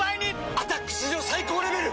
「アタック」史上最高レベル！